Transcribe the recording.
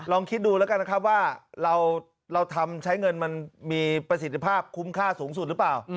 ลองคิดดูแล้วกันนะครับว่าเราทำใช้เงินมันมีประสิทธิภาพคุ้มค่าสูงสุดหรือเปล่า